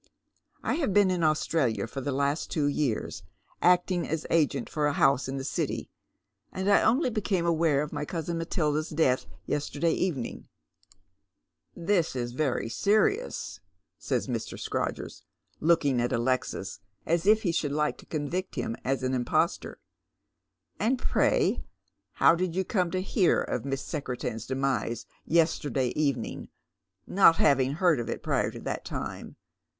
I have been in Australia for the Ust two yeara, "Will Fortune nei; er cwi^?^ 159 •cting as a^rent for a lionse in the City, and I only became aware of my cousin Matilda's death yesterday evenino^." " This is very serious," says Mr. Scrodgers, looking at Alexis Rs if he should like to convict him as an impostor. " And pray how did you come to hear of Miss Secretan's demise yesterday evening, not having heard of it prior to that time